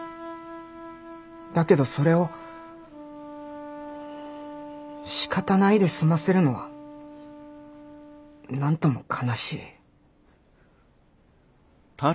だけどそれをしかたないで済ませるのはなんとも悲しい。